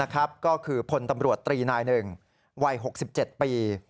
ก็คือผลตำรวจตรีนาย๑วัย๖๗ปี